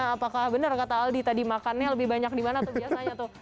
apakah benar kata aldi tadi makannya lebih banyak dimana tuh biasanya tuh